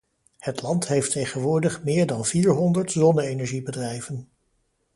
Het land heeft tegenwoordig meer dan vierhonderd zonne-energiebedrijven.